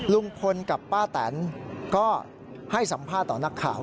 ลุงพลกับป้าแตนก็ให้สัมภาษณ์ต่อนักข่าว